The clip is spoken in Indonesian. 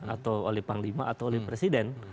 atau oleh panglima atau oleh presiden